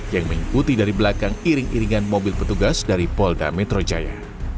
yang mengikuti dari belakang iring iringan mobil petugas dari polda metro jaya